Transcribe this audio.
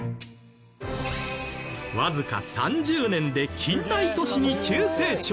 わずか３０年で近代都市に急成長。